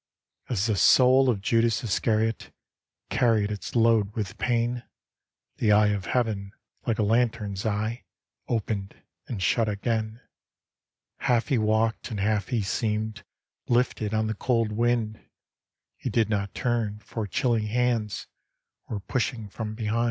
As the soul of Judas Iscariot Carried its load with pain, The Eye of Heaven, like a lantern's eye, Opened and shut again. Half be walked, and half be seemed Lifted on the cold wind; He did not turn, for chilly hands Were pushing from behind.